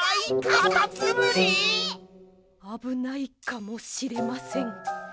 あぶないかもしれません。